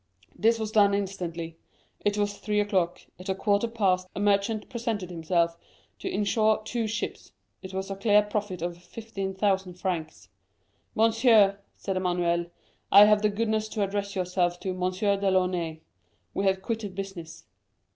"This was done instantly. It was three o'clock; at a quarter past, a merchant presented himself to insure two ships; it was a clear profit of 15,000 francs. "'Monsieur,' said Emmanuel, 'have the goodness to address yourself to M. Delaunay. We have quitted business.